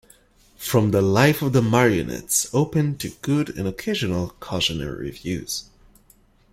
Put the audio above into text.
"From the Life of the Marionettes" opened to good and occasional cautionary reviews.